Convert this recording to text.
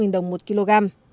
chỉ năm đồng một kg